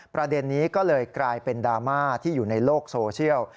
ประเด็นนี้ก็เลยกลายเป็นดราม่าที่อยู่ในโลกโซเชียล